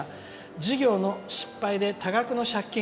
事業の失敗で多額の借金。